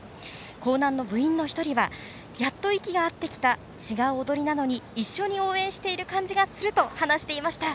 興南の部員の１人はやっと息が合ってきた違う踊りなのに一緒に応援している感じがすると話していました。